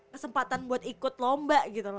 kesempatan buat ikut lomba gitu loh